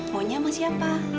maunya sama siapa